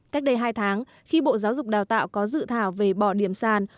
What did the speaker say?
cách đây hai tháng khi bộ giáo dục đào tạo có dự thảo về bỏ điểm sàn